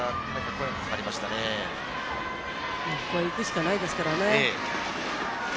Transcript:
これは行くしかないですからね。